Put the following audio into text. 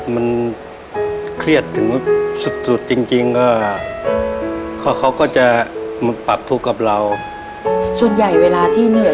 มีเรื่องอะไรค่ะ